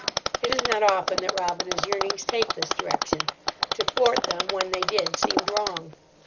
It is not often that Robina's yearnings take this direction: to thwart them, when they did, seemed wrong.